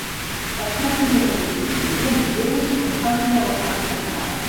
Es tracta d'un edifici entre mitgeres amb pati a la part frontal.